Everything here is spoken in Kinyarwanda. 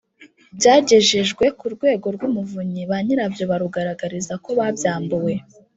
byagejejwe ku urwego rw umuvunyi ba nyirabyo barugaragariza ko babyambuwe